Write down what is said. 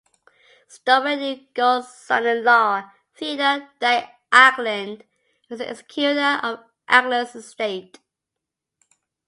Stowell knew Gull's son-in-law, Theodore Dyke Acland, and was an executor of Acland's estate.